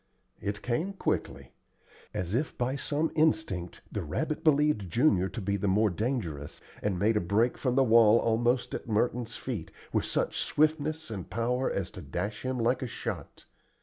It came quickly. As if by some instinct the rabbit believed Junior to be the more dangerous, and made a break from the wall almost at Merton's feet, with such swiftness and power as to dash by him like a shot.